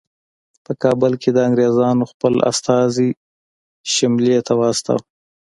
په کابل کې د انګریزانو خپل استازی سیملې ته واستاوه.